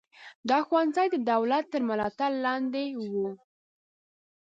دا ښوونځي د دولت تر ملاتړ لاندې وو.